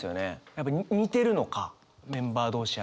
やっぱ似てるのかメンバー同士やから。